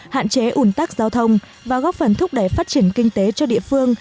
hạn chế ủn tắc giao thông và góp phần thúc đẩy phát triển kinh tế cho địa phương